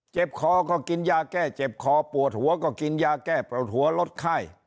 คอก็กินยาแก้เจ็บคอปวดหัวก็กินยาแก้ปวดหัวลดไข้